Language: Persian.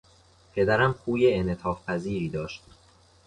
پدرم خوی انعطافپذیری داشت.